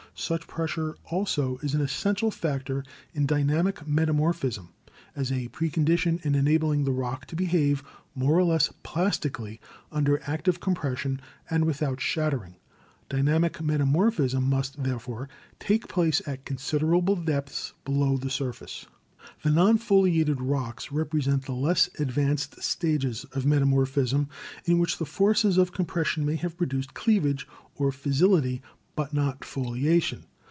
Such pressure also is an essential factor in dynamic metamorphism as a precondition in enabling the rock to behave more or less plastically under active compression and without shattering. Dynamic metamor phism must, therefore, take place at considerable depths below the surface." The Non foliated Rocks represent the less advanced stages of metamorphism, in which the forces of com pression may have produced cleavage or fissility but not foliation.